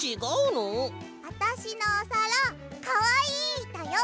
あたしのおさらかわいいだよ！